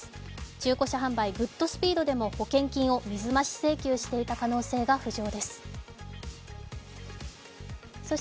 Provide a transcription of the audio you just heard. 中古車販売・グッドスピードでも保険金を水増し請求していた可能性が浮上です。